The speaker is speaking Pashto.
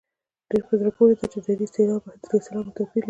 ډېره په زړه پورې ده چې درې سېلابه توپیر لري.